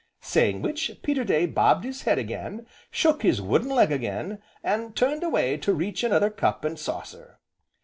Saying which, Peterday bobbed his head again, shook his wooden leg again, and turned away to reach another cup and saucer.